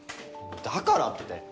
だからって。